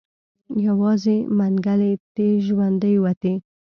يوازې منګلی تې ژوندی وتی.